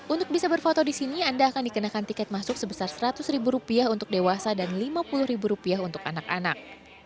untuk bisa berfoto di sini anda akan dikenakan tiket masuk sebesar seratus ribu rupiah untuk dewasa dan lima puluh ribu rupiah untuk anak anak